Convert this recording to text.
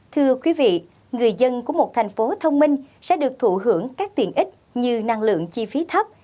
thưa quý vị người dân của một thành phố thông minh sẽ được thụ hưởng các tiện ích như năng lượng chi phí thấp